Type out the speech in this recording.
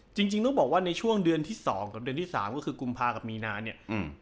จริงจริงต้องบอกว่าในช่วงเดือนที่สองกับเดือนที่สามก็คือกุมภากับมีนาเนี่ยอืม